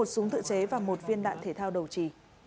một súng tự chế và một viên đạn thể thao đầu trì